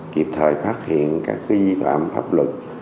kịp thời phát hiện các vi phạm hợp lực